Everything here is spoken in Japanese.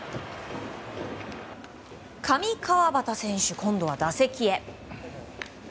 上川畑選手、今度は打席へ。